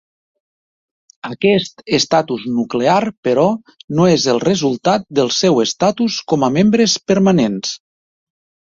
Aquest estatus nuclear, però, no és el resultat del seu estatus com a membres permanents.